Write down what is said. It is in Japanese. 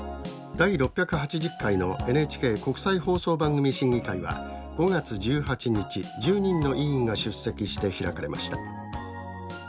第６８０回のＮＨＫ国際放送番組審議会は５月１８日１０人の委員が出席して開かれました。